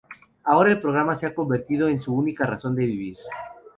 Ahora, el programa se ha convertido en su única razón de vivir.